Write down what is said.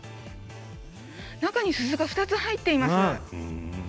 中に鈴が２つ入っています。